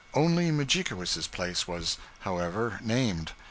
Only Mudjikewis's place was, however, named.